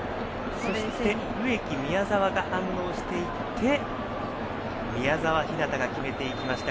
植木、宮澤が反応していって宮澤ひなたが決めました。